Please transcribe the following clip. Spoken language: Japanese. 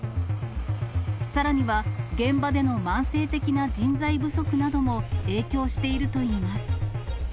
さらには、現場での慢性的な人材不足なども影響しているといいます。